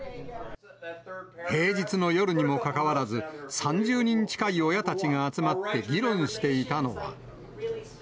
平日の夜にもかかわらず、３０人近い親たちが集まって議論していたのは。